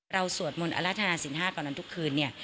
เราสวดมนตร์อารทนาศิล๕ก่อนนอนทุกคืนเนี่ย